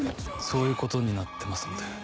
そういうことになってますので。